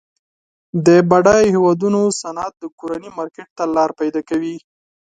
د بډایه هیوادونو صنعت د کورني مارکیټ ته لار پیداکوي.